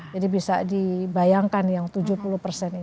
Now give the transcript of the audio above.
jadi bisa dibayangkan yang tujuh puluh ini